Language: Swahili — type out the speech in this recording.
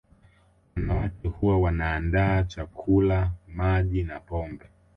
Wanawake huwa wanaandaa chakula Maji na pombe